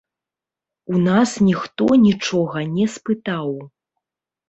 У нас ніхто нічога не спытаў.